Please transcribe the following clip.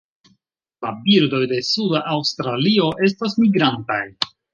La birdoj de suda Aŭstralio estas migrantaj.